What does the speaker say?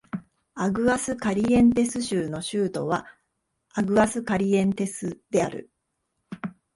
アグアスカリエンテス州の州都はアグアスカリエンテスである